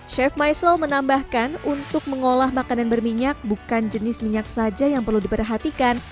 chef michael menambahkan untuk mengolah makanan berminyak bukan jenis minyak saja yang perlu diperhatikan